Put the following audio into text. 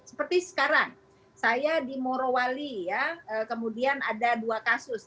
seperti sekarang saya di morowali ya kemudian ada dua kasus